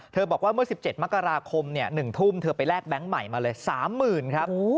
บอกว่าเมื่อ๑๗มกราคม๑ทุ่มเธอไปแลกแบงค์ใหม่มาเลย๓๐๐๐ครับ